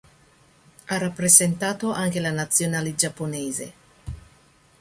Ha rappresentato anche la Nazionale giapponese.